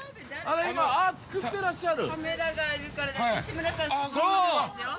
あ作ってらっしゃる。